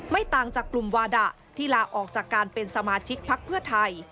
ต่างจากกลุ่มวาดะที่ลาออกจากการเป็นสมาชิกพักเพื่อไทย